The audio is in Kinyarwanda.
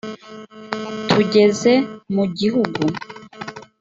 tugeze mu gihugu.